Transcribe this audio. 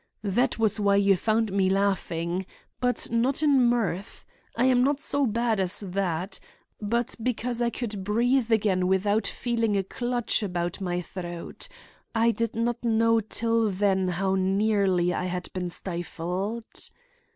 That was why you found me laughing. But not in mirth. I am not so bad as that; but because I could breathe again without feeling a clutch about my throat. I did not know till then how nearly I had been stifled.